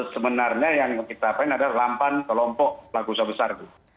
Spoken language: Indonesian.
sebenarnya yang kita pelan pelan ada delapan kelompok pelaku usaha besar